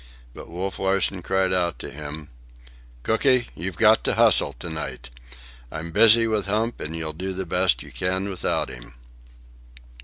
But Wolf Larsen cried out to him: "Cooky, you've got to hustle to night. I'm busy with Hump, and you'll do the best you can without him."